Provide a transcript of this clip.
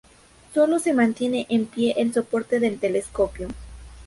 Sólo se mantiene en pie el soporte del telescopio.